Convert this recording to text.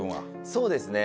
そうですね。